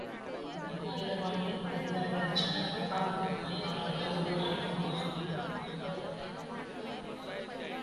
இதுல்லாம் துக்ளக் மாதிரி... மேற்கொண்டு ஆணித்தரமாகப் பேசப்போன தண்டாயுதபாணியை, அதிகாரி அர்ச்சுனன், அப்பாவித்தனமாய்ப் பார்த்தபடி, இடைமறித்துப் பேசினார்.